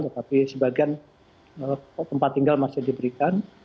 tetapi sebagian tempat tinggal masih diberikan